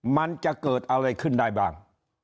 มันจะเกิดอะไรขึ้นได้บ้าง